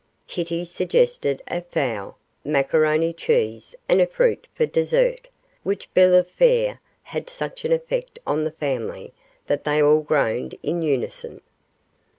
Kitty suggested a fowl, macaroni cheese, and fruit for dessert, which bill of fare had such an effect on the family that they all groaned in unison.